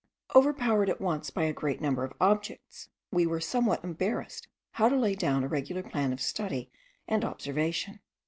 Overpowered at once by a great number of objects, we were somewhat embarrassed how to lay down a regular plan of study and observation.